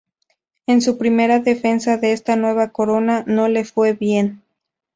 En su primera defensa de esta nueva corona, no le fue bien.